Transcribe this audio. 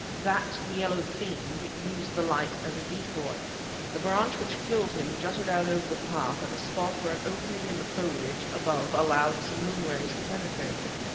That yellow fiend used the light as a decoy. The branch which killed him jutted out over the path at a spot where an opening in the foliage above allowed some moon rays to penetrate.